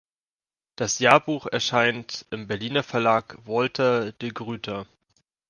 Das Jahrbuch erscheint im Berliner Verlag Walter de Gruyter.